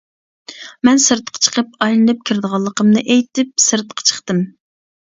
مەن سىرتقا چىقىپ ئايلىنىپ كىرىدىغانلىقىمنى ئېيتىپ سىرتقا چىقتىم.